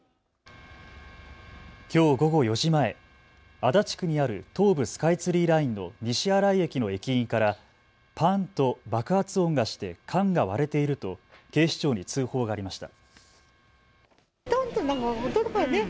きょう午後４時前、足立区にある東武スカイツリーラインの西新井駅の駅員からパンと爆発音がして缶が割れていると警視庁に通報がありました。